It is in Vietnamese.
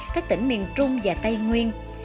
các tỉnh miền trung và tây nguyên